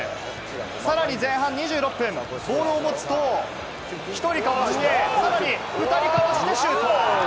さらに前半２６分、ボールを持つと１人かわし、さらに２人かわしてシュート！